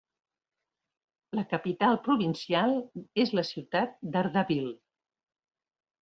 La capital provincial és la ciutat d'Ardabil.